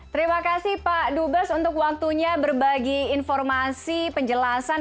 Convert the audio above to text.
terima kasih pak dubes untuk waktunya berbagi informasi penjelasan